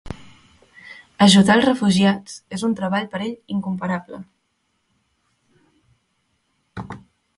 Ajudar els refugiats és un treball per ell incomparable.